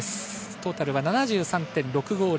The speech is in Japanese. トータル７３．６５０。